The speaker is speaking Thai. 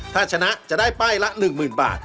ถ้าชนะจะได้ป้ายละ๑๐๐๐บาท